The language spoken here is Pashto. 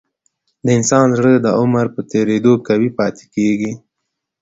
د انسان زړه د عمر په تیریدو قوي پاتې کېږي.